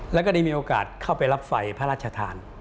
แล้วก็ได้มีโอกาสเข้าไปรับไฟพระราชทาน